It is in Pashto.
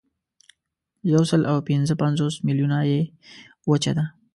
یوسلاوپینځهپنځوس میلیونه یې وچه ده.